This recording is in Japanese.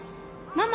ママ？